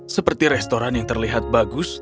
seperti restoran yang terlihat bagus